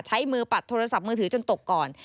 ใช้มือปัดโทรศัพท์มือถือจนตกก่อน